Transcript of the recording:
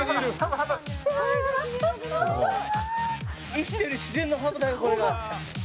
生きてる自然のハブだよこれが。